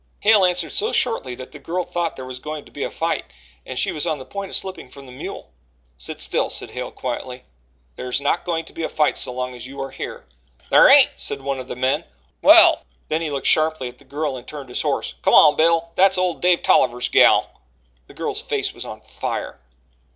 Hale answered so shortly that the girl thought there was going to be a fight, and she was on the point of slipping from the mule. "Sit still," said Hale, quietly. "There's not going to be a fight so long as you are here." "Thar hain't!" said one of the men. "Well" then he looked sharply at the girl and turned his horse "Come on, Bill that's ole Dave Tolliver's gal." The girl's face was on fire.